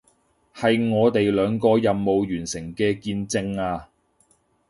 係我哋兩個任務完成嘅見證啊